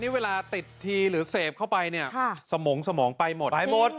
เวลาติดทีหรือเสพเข้าไปเนี่ยสมองสมองไปหมดไปหมด